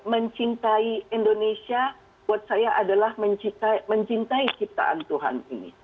mencintai indonesia buat saya adalah mencintai ciptaan tuhan ini